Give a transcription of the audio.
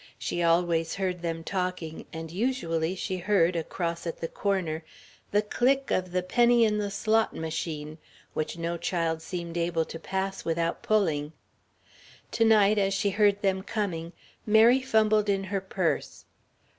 She always heard them talking, and usually she heard, across at the corner, the click of the penny in the slot machine, which no child seemed able to pass without pulling. To night, as she heard them coming, Mary fumbled in her purse.